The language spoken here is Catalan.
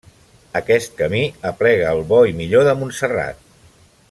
Aquest camí aplega el bo i millor de Montserrat.